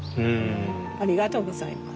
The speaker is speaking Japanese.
ありがとうございます。